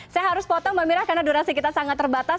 saya harus potong mbak mira karena durasi kita sangat terbatas